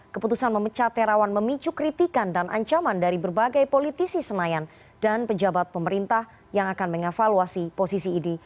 keputusan memecah terawan memicu kritikan dan ancaman dari berbagai politisi senayan dan pejabat pemerintah yang akan mengevaluasi posisi idi